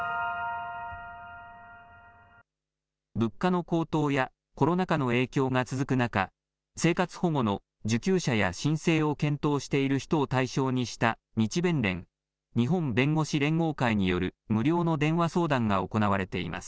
物価の高騰やコロナ禍の影響が続く中、生活保護の受給者や申請を検討している人を対象にした日弁連・日本弁護士連合会による無料の電話相談が行われています。